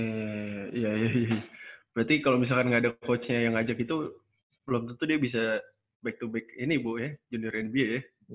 iya berarti kalau misalkan nggak ada coachnya yang ngajak itu belum tentu dia bisa back to back ini bu ya generain bea ya